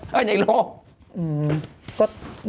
เมื่อในโลก